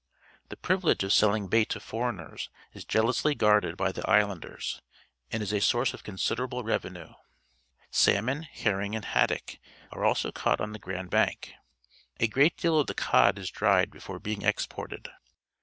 The privilege of selling bait to foreigners is jealously guarded by the islanders and is a source of considerable revenue. Sahnon, henjn g. and haddogj c are also caught on the Grand Bank. A great deal of the cod is dried before being exported.